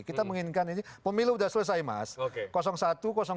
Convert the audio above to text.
kita menginginkan ini pemilu sudah selesai mas